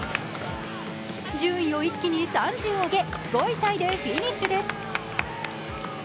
順位を一気に３０上げ、５位タイでフィニッシュです。